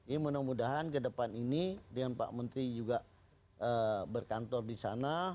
ini mudah mudahan ke depan ini dengan pak menteri juga berkantor di sana